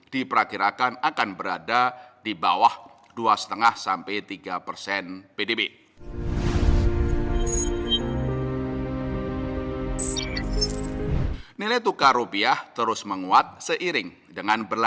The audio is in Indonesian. diperakirakan akan berada di bawah dua lima sampai tiga persen pdb